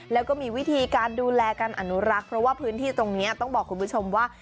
แล้วก็มีวิธีการดูแลการอนุรักษ์เพราะว่าพื้นที่ตรงนี้ต้องบอกคุณผู้ชมว่า